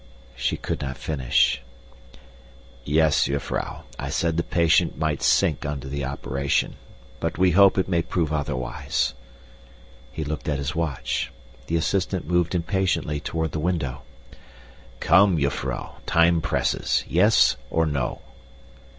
She could not finish. "Yes, jufvrouw, I said the patient might sink under the operation, but we hope it may prove otherwise." He looked at his watch. The assistant moved impatiently toward the window. "Come, jufvrouw, time presses. Yes or no?"